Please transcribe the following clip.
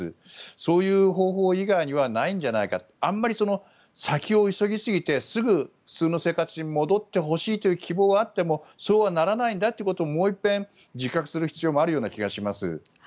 そういう方法以外にはないんじゃないかとあんまり先を急ぎすぎてすぐ、普通の生活に戻ってほしいという希望があってもそうはならないんだということをもう一遍自覚する必要がある気がします。